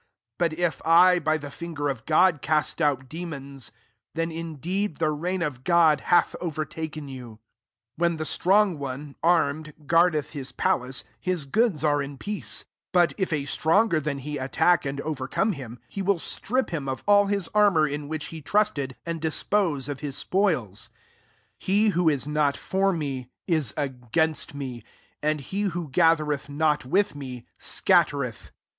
20 But if I by the finger of Gk>d cast out demons, then indeed the reign of God hath overtaken you* 21 When the strong one, armed, guardeth his palace, his goods are in peace : 22 but if a stronger than he atUck sohI overcome him, he will strip him of all his armour, in which he trusted, and dispose of his spoils. 2S He who is not for me, is against me: and he who ga tbereth notwkh me, scattereth.